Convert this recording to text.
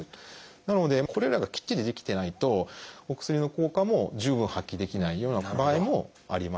なのでこれらがきっちりできてないとお薬の効果も十分発揮できないような場合もあります。